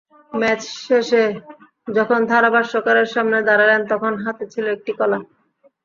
Match শেষে যখন ধারাভাষ্যকারের সামনে দাঁড়ালেন, তখন হাতে ছিল একটি কলা।